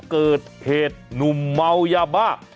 เกิดเหตุนุมไม้ยาบ้า